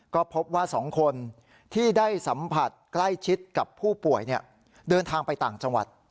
ก็พบว่า๒คนที่ได้สัมผัสใกล้ชิดกับผู้ป่วยเดินทางไปต่างจังหวัด